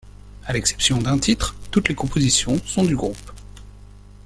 À l'exception d'un titre, toutes les compositions sont du groupe.